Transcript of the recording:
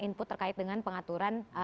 input terkait dengan pengaturan